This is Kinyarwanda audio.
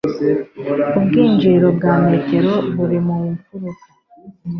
Ubwinjiriro bwa metero buri ku mfuruka.